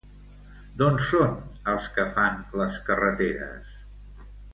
D'on són els que fan les carreteres?